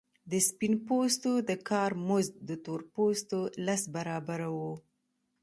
د سپین پوستو د کار مزد د تور پوستو لس برابره وو